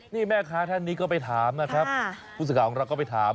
นี่แม่ค้าท่านนี้ก็ไปถามนะครับผู้สื่อข่าวของเราก็ไปถาม